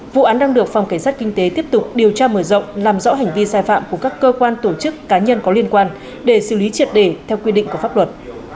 vụ án đang được phòng cảnh sát kinh tế tiếp tục điều tra mở rộng làm rõ hành vi sai phạm của các cơ quan tổ chức cá nhân có liên quan để xử lý triệt đề theo quy định của pháp luật